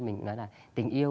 mình nói là tình yêu